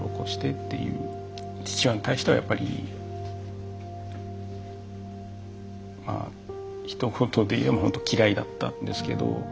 父親に対してはやっぱりまあひと言で言えばほんと嫌いだったんですけど。